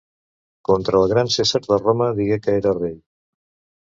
Contra el Gran Cèsar de Roma digué que era Rei.